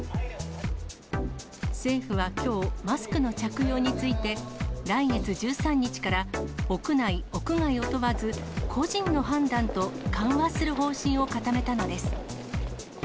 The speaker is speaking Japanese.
政府はきょう、マスクの着用について、来月１３日から屋内、屋外を問わず、個人の判断と、緩和する方針を固めたのです。